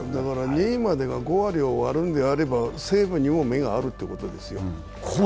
２位までが５割を割るのであれば、そこまではチャンスがあるということですよ。